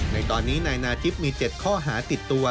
ในตอนนี้นายนาทิพย์มี๗ข้อหาติดตัว